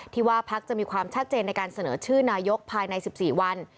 ว่าพักจะมีความชัดเจนในการเสนอชื่อนายกภายใน๑๔วัน